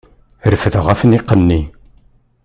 Refdeɣ afniq-nni.